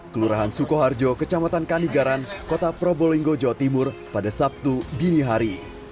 kelurahan sukoharjo kecamatan kanigaran kota probolinggo jawa timur pada sabtu dini hari